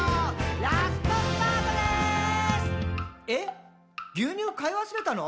牛乳買い忘れたの？」